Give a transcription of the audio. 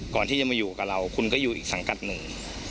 ก่อนที่จะมาอยู่กับเราคุณก็อยู่อีกสังกัดหนึ่ง